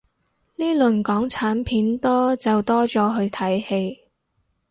呢輪港產片多就多咗去睇戲